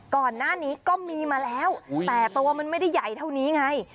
ก่อนหน้านี้ก็มีมาแล้วแต่ตัวมันไม่ได้ใหญ่เท่านี้ไง